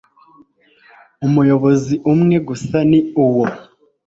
umuyobozi umwe gusa n uwo